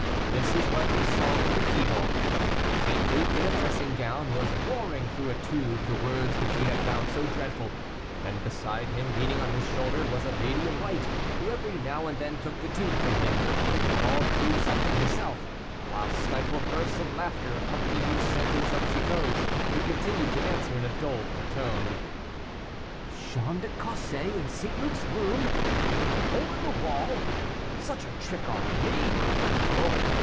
This is what he saw through the keyhole. St. Luc, in a dressing gown, was roaring through a tube the words which he had found so dreadful, and beside him, leaning on his shoulder, was a lady in white, who every now and then took the tube from him, and called through something herself, while stifled bursts of laughter accompanied each sentence of Chicot's, who continued to answer in a doleful tone. "Jeanne de Cossé in St. Luc's room! A hole in the wall! such a trick on me! Oh!